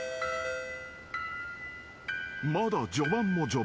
［まだ序盤も序盤。